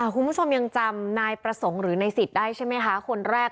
คุณผู้ชมยังจำนายประสงค์หรือในสิทธิ์ได้ใช่ไหมคะคนแรก